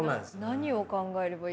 何を考えればいいか。